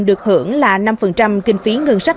được hưởng là năm kinh phí ngân sách